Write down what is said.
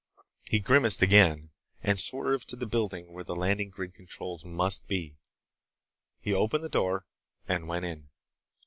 He grimaced again and swerved to the building where the landing grid controls must be. He opened the door and went in.